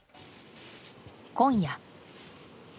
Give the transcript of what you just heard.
今夜。